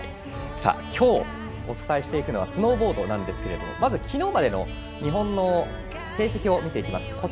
今日、お伝えしていくのはスノーボードなんですがまず昨日までの日本の成績を見ていきます。